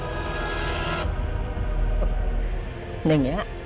อย่างนี้